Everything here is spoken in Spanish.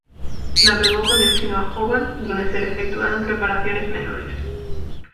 Navegó con destino a Hobart donde se le efectuaron reparaciones menores.